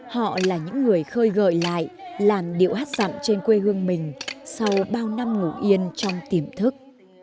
họ là những người khơi gợi lại làm điệu hát dặm trên quê hương mình sau bao năm ngủ yên trong tiềm thức